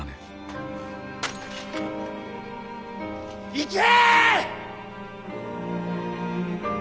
行け！